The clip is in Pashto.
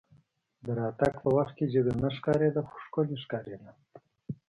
د راتګ په وخت کې جګه نه ښکارېده خو ښکلې ښکارېده.